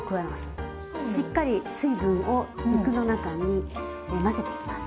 しっかり水分を肉の中に混ぜていきます。